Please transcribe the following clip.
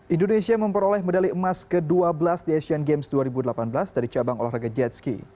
indonesia memperoleh medali emas ke dua belas di asian games dua ribu delapan belas dari cabang olahraga jetski